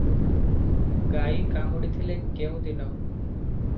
ଗାଈ କାମୁଡ଼ିଥିଲେ କେଉଁ ଦିନ?